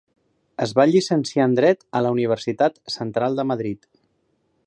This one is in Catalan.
Es va llicenciar en Dret a la Universitat Central de Madrid.